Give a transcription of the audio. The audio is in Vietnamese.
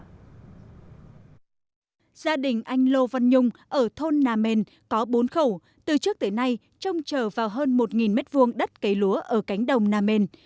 gia đình anh lô văn nhung ở thôn nam mền có bốn khẩu từ trước tới nay trông trở vào hơn một m hai đất cây lúa ở cánh đồng nam mền